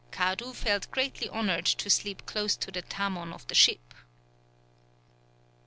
Kadu felt greatly honoured to sleep close to the tamon of the ship."